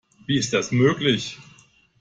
Wie ist das möglich?